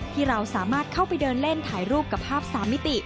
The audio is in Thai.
ที่เราสามารถเข้าไปเดินเล่นถ่ายรูปกับภาพ๓มิติ